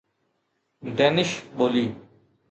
Danish ٻولي